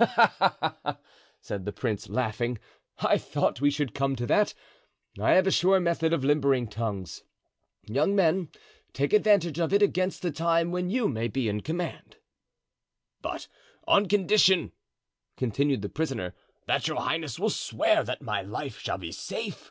"Ah! ah!" said the prince, laughing, "I thought we should come to that. I have a sure method of limbering tongues. Young men, take advantage of it against the time when you may be in command." "But on condition," continued the prisoner, "that your highness will swear that my life shall be safe."